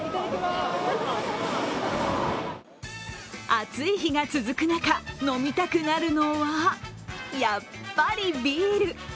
暑い日が続く中、飲みたくなるのはやっぱりビール。